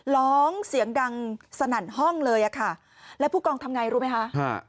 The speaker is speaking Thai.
ร้องเสียงดังสนั่นห้องเลยอ่ะค่ะแล้วผู้กองทำไงรู้ไหมคะฮะ